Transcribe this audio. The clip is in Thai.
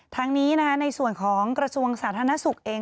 ทั้งนี้ในส่วนของกระทรวงสาธารณสุขเอง